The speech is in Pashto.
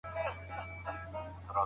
د غالیو نقشه ساده نه وي.